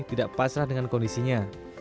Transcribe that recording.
tidak pasrah dengan kondisinya